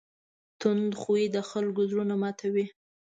تند خوی د خلکو زړه ماتوي.